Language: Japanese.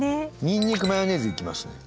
ニンニクマヨネーズいきますね。